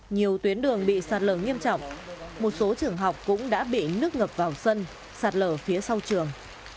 nhiều tuyến đường bị sạt lở nghiêm trọng một số trường học cũng đã bị nước ngập vào sân sạt lở phía sau trường